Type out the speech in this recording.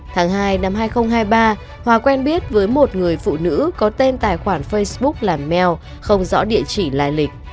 tháng hai năm hai nghìn hai mươi ba hòa quen biết với một người phụ nữ có tên tài khoản facebook làm mel không rõ địa chỉ lai lịch